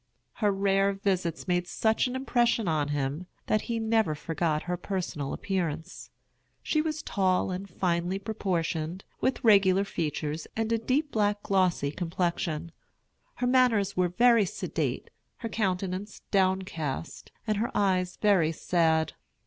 Her rare visits made such an impression on him that he never forgot her personal appearance. She was tall and finely proportioned, with regular features and a deep black glossy complexion. Her manners were very sedate, her countenance downcast, and her eyes very sad.